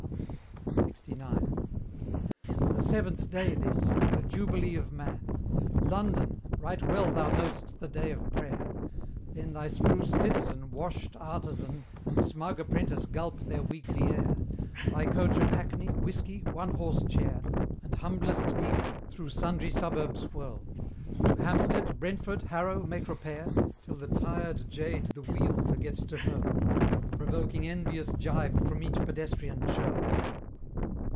LXIX. The seventh day this; the jubilee of man. London! right well thou know'st the day of prayer: Then thy spruce citizen, washed artizan, And smug apprentice gulp their weekly air: Thy coach of hackney, whiskey, one horse chair, And humblest gig, through sundry suburbs whirl; To Hampstead, Brentford, Harrow, make repair; Till the tired jade the wheel forgets to hurl, Provoking envious gibe from each pedestrian churl.